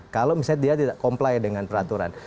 kalau misalnya dia tidak comply dengan peraturan